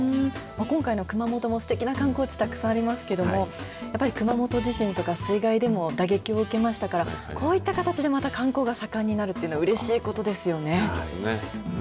今回の熊本もすてきな観光地、たくさんありますけれども、やっぱり熊本地震とか、水害でも打撃を受けましたから、こういった形でまた観光が盛んになるっていうのは、うれしいことですよね。